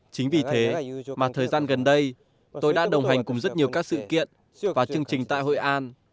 chính vì thế mà thời gian gần đây tôi đã đồng hành cùng rất nhiều các sự kiện và chương trình tại hội an